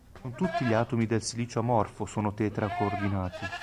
Non tutti gli atomi nel silicio amorfo sono tetra-coordinati.